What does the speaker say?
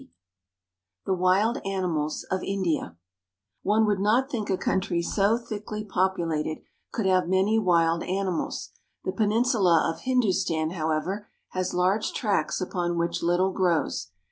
33. THE WILD ANIMALS OF INDIA ONE would not think a country so thickly populated could have many wild animals. The peninsula of Hindustan, however, has large tracts upon which little grows.